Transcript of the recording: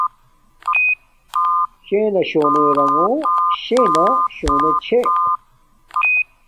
شݵنݳ شݸنݺ رَݣݸ شݵنݳ شݸنݺ چھݺ.